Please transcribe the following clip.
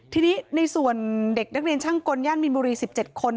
ทีนี้ในส่วนเด็กนักเรียนช่างกลย่านมีนบุรี๑๗คน